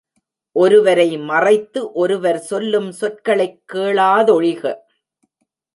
ஒருவரை மறைத்து ஒருவர் சொல்லும் சொற்களைக் கேளாதொழிக!